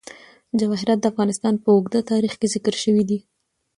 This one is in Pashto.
جواهرات د افغانستان په اوږده تاریخ کې ذکر شوی دی.